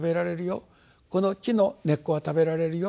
この木の根っこは食べられるよ。